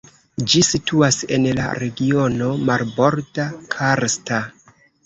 Ĝi situas en la Regiono Marborda-Karsta.